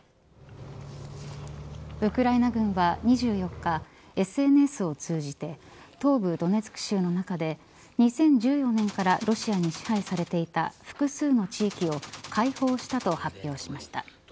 ウクライナ軍は２４日ＳＮＳを通じて東部ドネツク州の中で２０１４年からロシアに支配されていた複数の地域を解放したと発表しました。